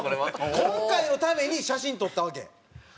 今回のために写真撮ったわけ？